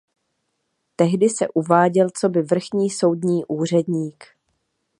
Tehdy se uváděl coby vrchní soudní úředník.